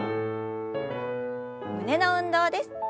胸の運動です。